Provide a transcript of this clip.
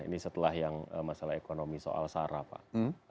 ini setelah yang masalah ekonomi soal sarah pak